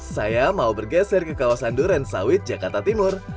saya mau bergeser ke kawasan duren sawit jakarta timur